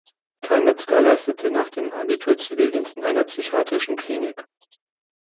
Kai Metzger leistete nach dem Abitur Zivildienst in einer psychiatrischen Klinik.